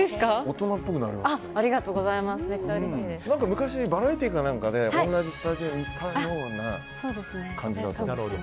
昔、バラエティーか何かで同じスタジオにいたような感じだったんですけど。